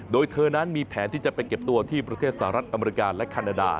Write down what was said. โดยเธอนั้นมีแผนที่จะไปเก็บตัวที่ประเทศสหรัฐอเมริกาและแคนาดา